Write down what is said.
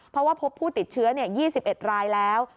เพราะว่าพบผู้ติดเชื้อ๒๑รายแล้ว